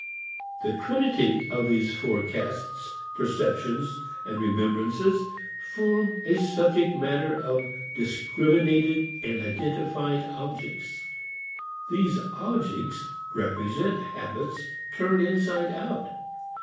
The trinity of these forecasts, perceptions and remembrances form a subject matter of discriminated and identified objects. These objects represent habits turned inside out.